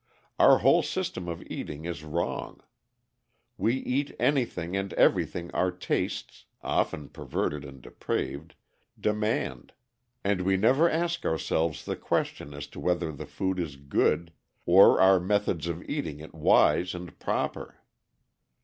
Our whole system of eating is wrong. We eat anything and everything our tastes often perverted and depraved demand, and we never ask ourselves the question as to whether the food is good, or our methods of eating it wise and proper.